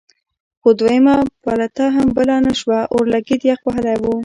خو دویمه پلته هم بله نه شوه اورلګید یخ وهلی و.